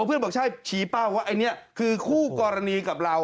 เพื่อนบอกใช่ชี้เป้าว่าอันนี้คือคู่กรณีกับเรา